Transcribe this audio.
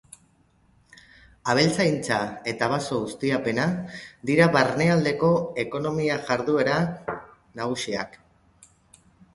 Abeltzaintza eta baso-ustiapena dira barnealdeko ekonomia-jarduera nagusiak.